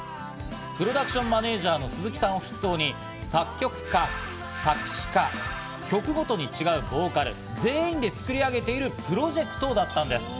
プロダクションマネージャーの鈴木さんを筆頭に作曲家、作詞家、曲ごとに違うボーカル、全員で作り上げているプロジェクトだったんです。